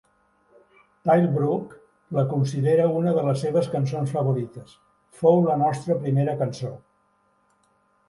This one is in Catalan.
Tilbrook la considera una de les seves cançons favorites: fou la nostra primera cançó.